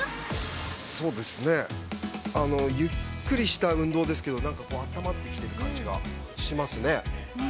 ◆そうですね、ゆっくりした運動ですけど、なんか温まってきてる感じがしますね。